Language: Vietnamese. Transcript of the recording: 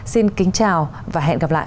xin kính chào và hẹn gặp lại